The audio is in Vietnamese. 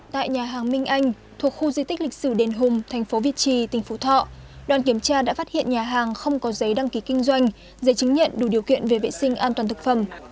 tại nhà hàng minh anh thuộc khu di tích lịch sử đền hùng thành phố việt trì tỉnh phú thọ đoàn kiểm tra đã phát hiện nhà hàng không có giấy đăng ký kinh doanh giấy chứng nhận đủ điều kiện về vệ sinh an toàn thực phẩm